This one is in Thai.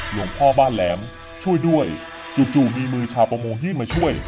หลวงพ่อบ้านแหลมช่วยด้วยจู่มีมือชาวประมงยื่นมาช่วย